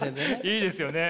いいですよね。